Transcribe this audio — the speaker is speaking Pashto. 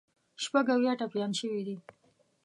شپږ اویا ټپیان شوي دي.